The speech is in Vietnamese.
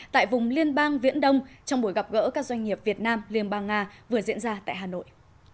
tại vùng liên bang viễn đông trong buổi gặp gỡ các doanh nghiệp việt nam liên bang nga vừa diễn ra tại hà nội